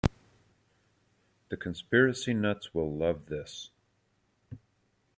The conspiracy nuts will love this.